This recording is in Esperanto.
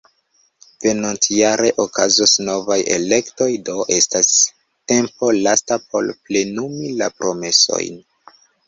Venontjare okazos novaj elektoj, do estas tempo lasta por plenumi la promesojn.